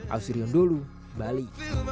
ausirion dulu bali